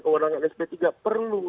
kewenangan sp tiga perlu